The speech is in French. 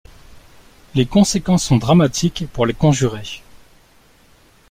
Les conséquences sont dramatiques pour les conjurés.